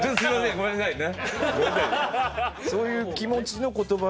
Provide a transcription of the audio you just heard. ごめんなさいね。